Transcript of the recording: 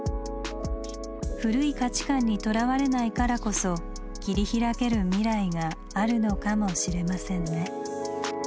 古い価値観にとらわれないからこそ切り開ける未来があるのかもしれませんね。